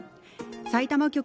さいたま局